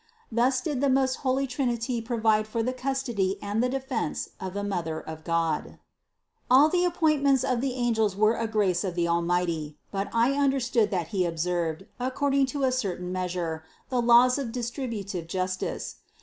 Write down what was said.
Thus did the most holy Trinity provide for the custody and the defense of the Mother of God. 207. All the appointments of the angels were a grace of the Almighty ; but I understood that He observed, ac cording to a certain measure, the laws of distributive justice.